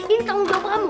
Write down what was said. ini tanggung jawab kamu